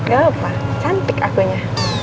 ya lupa cantik akunya